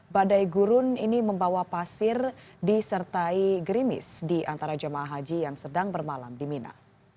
badai gurun ini membawa pasir disertai gerimis di antara jemaah haji yang sedang bermalam di mina